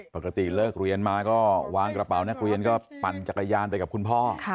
ปกติเลิกเรียนมาก็วางกระเป๋านักเรียนก็ปั่นจักรยานไปกับคุณพ่อ